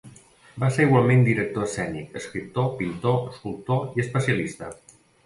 Va ser igualment director escènic, escriptor, pintor, escultor, i especialista.